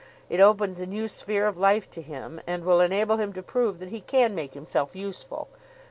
It opens a new sphere of life to him, and will enable him to prove that he can make himself useful.